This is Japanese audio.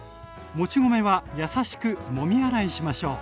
もち米はやさしくもみ洗いしましょう。